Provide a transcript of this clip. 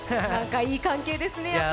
いい関係ですね。